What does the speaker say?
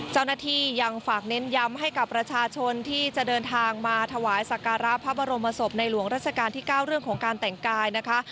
ยังฝากเน้นย้ำให้กับประชาชนที่จะเดินทางมาถวายสักการะพระบรมศพในหลวงราชการที่๙เรื่องของการแต่งกายนะคะ